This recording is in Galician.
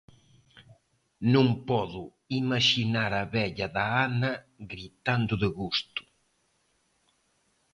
Non podo imaxinar a vella da Ana gritando de gusto.